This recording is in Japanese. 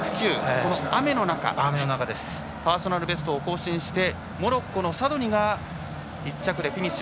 この雨の中パーソナルベストを更新しモロッコのサドニが１着でフィニッシュ。